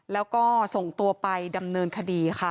แล้วก็ส่งตัวไปดำเนินคดีค่ะ